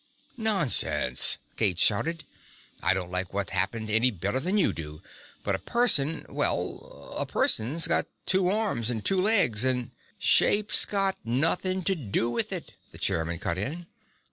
"Nonsense!" Gates shouted. "I don't like what happened any better than you do but a person well, a person's got two arms and two legs and " "Shape's got nothing to do with it," the chairman cut in.